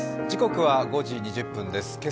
時刻は５時２０分です。